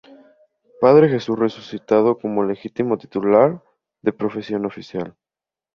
Padre Jesús Resucitado como legítimo titular de "Procesión Oficial".